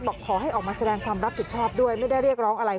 บอกขอให้ออกมาแสดงความรับผิดชอบด้วยไม่ได้เรียกร้องอะไร